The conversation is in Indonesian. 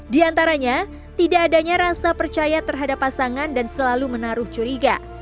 di antaranya tidak adanya rasa percaya terhadap pasangan dan selalu menaruh curiga